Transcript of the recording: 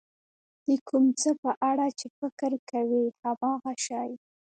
د کوم څه په اړه چې فکر کوئ هماغه شی.